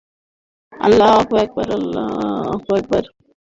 অজ্ঞাতনামা তিনজনকে আসামি করে গতকাল শনিবার গভীর রাতে মামলাটি দায়ের করা হয়।